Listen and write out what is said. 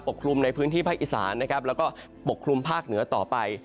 ปกครุมในพื้นที่ภาคอีสานและก็ปกครุมภาคเหนือต่อไป